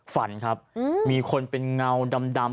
ฝันครับมีคนเป็นเงาดำ